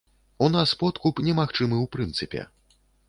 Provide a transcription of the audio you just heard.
У нас подкуп немагчымы ў прынцыпе.